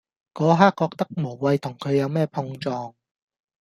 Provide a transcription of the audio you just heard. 嗰刻覺得無謂同佢有咩碰撞